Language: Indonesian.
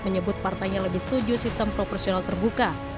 menyebut partainya lebih setuju sistem proporsional terbuka